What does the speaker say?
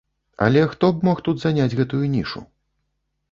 Але хто б мог тут заняць гэтую нішу?